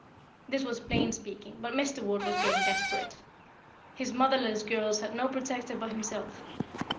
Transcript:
This was plain speaking, but Mr. Ward was getting desperate. His motherless girls had no protector but himself.